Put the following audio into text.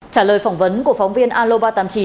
trả lời phỏng vấn của phóng viên aloba tám mươi chín